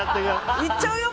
いっちゃうよ！